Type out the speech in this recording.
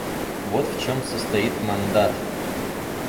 Вот в чем состоит мандат.